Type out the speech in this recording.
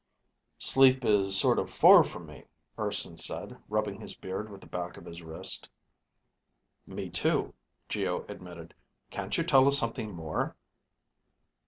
_ "Sleep is sort of far from me," Urson said, rubbing his beard with the back of his wrist. "Me too," Geo admitted. "Can't you tell us something more?"